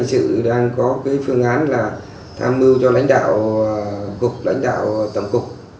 thì cục cảnh sát hình sự đang có phương án là tham mưu cho lãnh đạo tổng cục